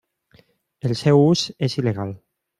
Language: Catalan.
El seu ús és il·legal.